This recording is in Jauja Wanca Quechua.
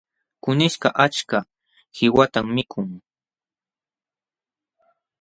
Kunishkaq achka qiwatam mikun.